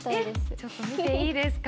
ちょっと見ていいですか？